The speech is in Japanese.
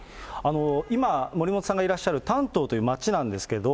今、森本さんがいらっしゃる丹東という街なんですけれども、